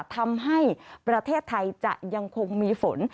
ทำให้ประเทศไทยจะยังคงมีฝน